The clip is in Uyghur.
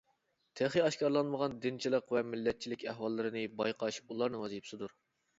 تېخى ئاشكارىلانمىغان دىنچىلىق ۋە مىللەتچىلىك ئەھۋاللىرىنى بايقاش ئۇلارنىڭ ۋەزىپىسىدۇر.